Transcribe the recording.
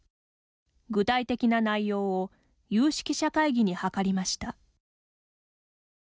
具体的な内容を有識者会議に諮りました。